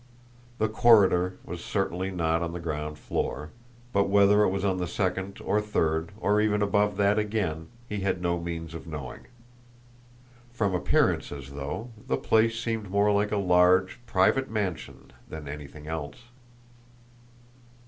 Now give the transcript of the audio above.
The corridor was certainly not on the ground floor, but whether it was on the second or third, or even above that again, he had no means of knowing. From appearances, though, the place seemed more like a large, private mansion than anything else.